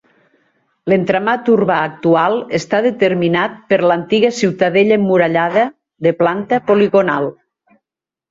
L'entramat urbà actual està determinat per l'antiga ciutadella emmurallada, de planta poligonal.